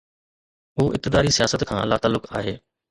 هو اقتداري سياست کان لاتعلق آهي.